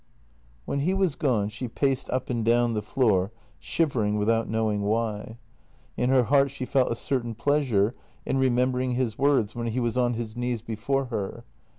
When he was gone she paced up and down the floor, shivering without knowing why. In her heart she felt a certain pleasure in remembering his words when he was on his knees before her.